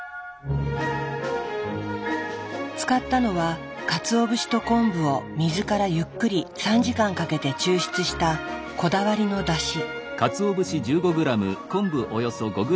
使ったのはかつお節と昆布を水からゆっくり３時間かけて抽出したこだわりのだし。